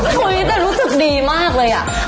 เฮ้ยแต่รู้สึกดีมากเลยอะ